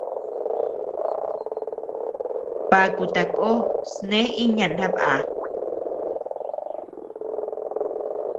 Baku tako sne iña naba.